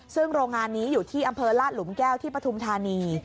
ซึ่งโรงงานนี้อยู่ที่อำเภอลาดหลุมแก้วที่ปฐุมธานี